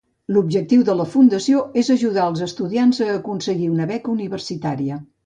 L'objectiu de la Fundació és ajudar els estudiants a aconseguir una beca universitària.